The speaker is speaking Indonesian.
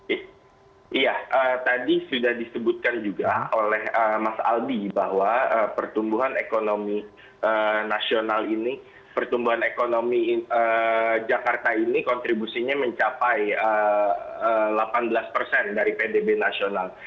iya tadi sudah disebutkan juga oleh mas aldi bahwa pertumbuhan ekonomi nasional ini pertumbuhan ekonomi jakarta ini kontribusinya mencapai delapan belas persen dari pdb nasional